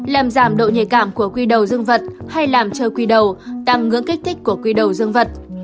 làm giảm độ nhạy cảm của quy đầu dương vật hay làm trơ quy đầu tăng ngưỡng kích thích của quy đầu dương vật